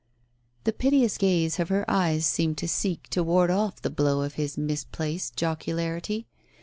" The piteous gaze of her eyes seemed to seek to ward off the blow of his misplaced jocularity.